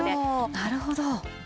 なるほど。